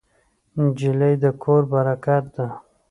نجلۍ د کور برکت ده.